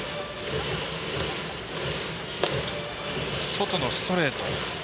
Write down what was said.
外のストレート。